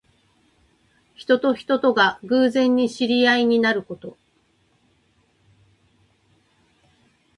人と人とが偶然に知り合いになること。